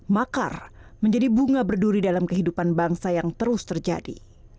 makar menjadi bunga berduri dalam kehidupan bangsa yang terus terjadi